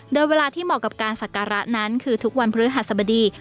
โดยเวลาที่เหมาะกับการศักระนั้นคือทุกวันพฤหัสบดี